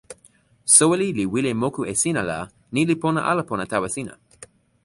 soweli li wile moku e sina la ni li pona ala pona tawa sina?